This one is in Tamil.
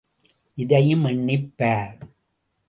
இதையும் எண்ணிப் பார்.